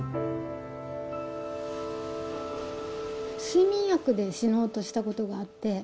睡眠薬で死のうとしたことがあって。